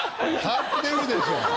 勝ってるでしょ。